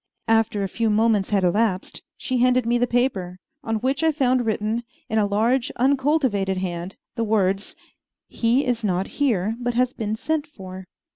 After a few moments had elapsed, she handed me the paper, on which I found written, in a large, uncultivated hand, the words, "He is not here, but has been sent for."